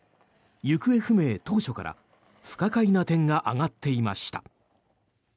行方不明当初から不可解な点が挙がっていました。